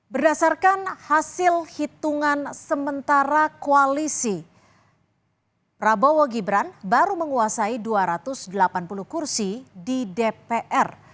berdasarkan hasil hitungan sementara koalisi prabowo gibran baru menguasai dua ratus delapan puluh kursi di dpr